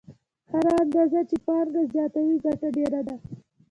هره اندازه چې پانګه زیاته وي ګټه ډېره ده